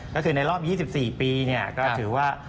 ก็คือในรอบ๒๔ปีก็ถือว่า